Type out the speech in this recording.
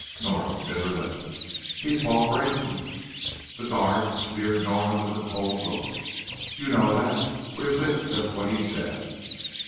Nora bit her lip. "He's Paul Grayson." The guard speared Nora with a cold look. "Do you know that or is it just what he said?"